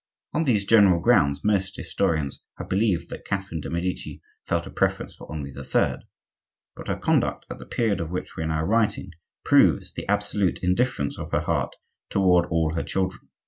On these general grounds most historians have believed that Catherine de' Medici felt a preference for Henri III.; but her conduct at the period of which we are now writing, proves the absolute indifference of her heart toward all her children.